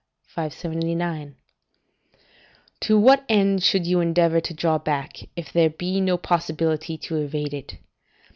579.] "To what end should you endeavour to draw back, if there be no possibility to evade it?